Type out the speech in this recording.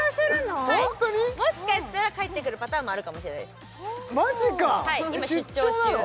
はいもしかしたら帰ってくるパターンもあるかもしれないですマジか出張なの？